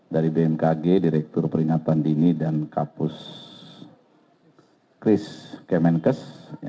dari bmkg direktur peringatan dini dan kapus kris kemenkes